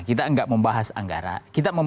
kita nggak membahas anggara